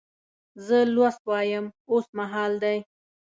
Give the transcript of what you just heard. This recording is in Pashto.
زه لوست وایم اوس مهال دی.